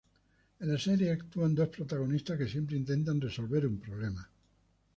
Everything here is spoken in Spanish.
En la serie actúan dos protagonistas que siempre intentan resolver un problema.